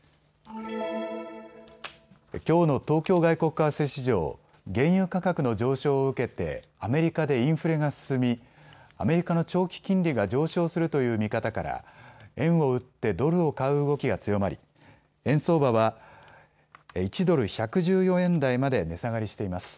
きょうの東京外国為替市場、原油価格の上昇を受けてアメリカでインフレが進みアメリカの長期金利が上昇するという見方から円を売ってドルを買う動きが強まり円相場は１ドル１１４円台まで値下がりしています。